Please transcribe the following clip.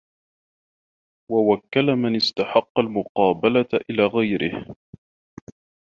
وَوَكَّلَ مَنْ اسْتَحَقَّ الْمُقَابَلَةَ إلَى غَيْرِهِ